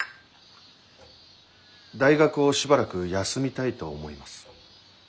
大学をしばらく休みたいと思います。